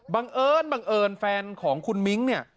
บังเอิญแฟนของคุณมิ้งค์